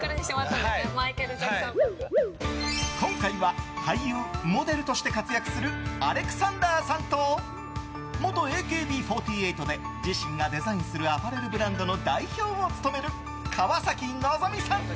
今回は俳優、モデルとして活躍するアレクサンダーさんと元ＡＫＢ４８で自身がデザインするアパレルブランドの代表を務める川崎希さん。